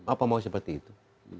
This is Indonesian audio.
apa mau seperti itu